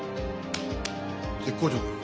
絶好調だな。